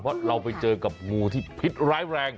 เพราะเราไปเจอกับงูที่พิษร้ายแรง